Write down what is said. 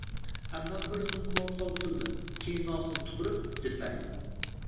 Ammam bir zum quloq solib turdi. Keyin nosini tupurib, jilmaydi.